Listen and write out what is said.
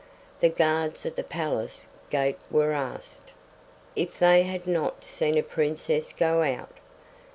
The guards at the palace gate were asked: If they had not seen a princess go out.